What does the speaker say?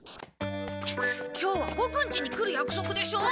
今日はボクんちに来る約束でしょ。